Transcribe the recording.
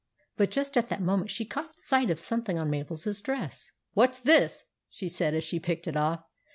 But just at that moment she caught sight of something on Mabel's dress. "What's this?" she said, as she picked it off.